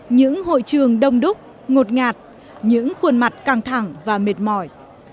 những hội trường đông đúc ngột ngạt những khuôn mặt căng thẳng và mệt mỏi